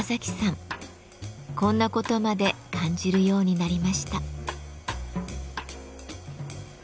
こんなことまで感じるようになりました。